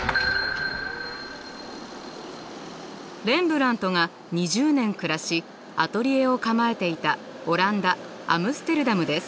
レンブラントが２０年暮らしアトリエを構えていたオランダ・アムステルダムです。